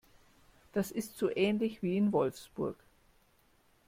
Das ist so ähnlich wie in Wolfsburg